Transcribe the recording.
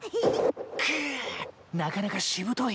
くなかなかしぶとい。